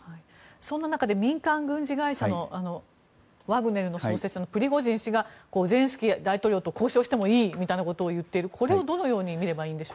そんな中で民間軍事会社のワグネル創設のプリゴジン氏がゼレンスキー大統領と交渉してもいいみたいなことを言っていますがこれはどのようにみればいいですか？